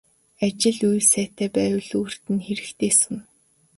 Ажил үйл сайтай байвал өөрт нь л хэрэгтэйсэн.